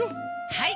はい！